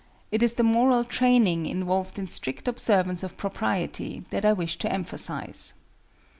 It is the moral training involved in strict observance of propriety, that I wish to emphasize.